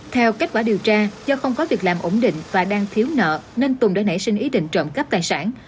theo kết quả điều tra do không có việc làm ổn định và đang thiếu nợ nên tùng đã nảy sinh ý định trộm cắp tài sản